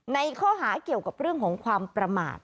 ในข้อหาเกี่ยวกับเรื่องของความประมาท